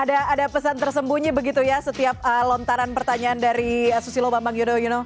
ada pesan tersembunyi begitu ya setiap lontaran pertanyaan dari susilo bambang yudhoyono